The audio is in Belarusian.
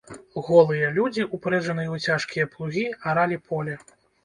Голыя людзі, упрэжаныя ў цяжкія плугі, аралі поле.